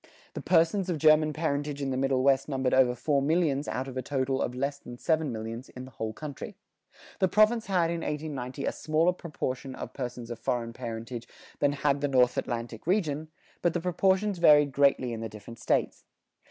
The persons of German parentage in the Middle West numbered over four millions out of a total of less than seven millions in the whole country. The province had, in 1890, a smaller proportion of persons of foreign parentage than had the North Atlantic division, but the proportions varied greatly in the different States.